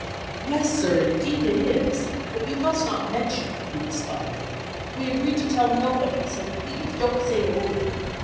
"Yes, sir, indeed it is; but you must not mention it," he responded; "we agreed to tell nobody, so please don't say a word.